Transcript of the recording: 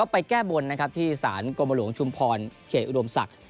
ไปแก้บนนะครับที่สารกรมหลวงชุมพรเขตอุดมศักดิ์